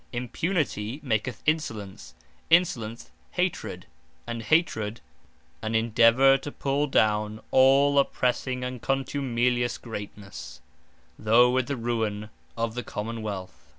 Impunity maketh Insolence; Insolence Hatred; and Hatred, an Endeavour to pull down all oppressing and contumelious greatnesse, though with the ruine of the Common wealth.